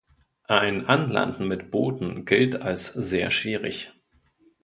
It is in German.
Ein Anlanden mit Booten gilt als sehr schwierig.